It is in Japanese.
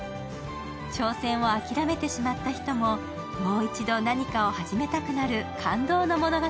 挑戦を諦めてしまった人も、もう一度何かを始めたくなる感動の物語。